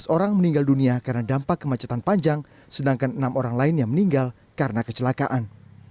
sebelas orang meninggal dunia karena dampak kemacetan panjang sedangkan enam orang lain yang meninggal karena kecelakaan